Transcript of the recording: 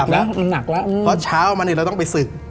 เพราะเช้ามาเนี่ยเราต้องไปศึก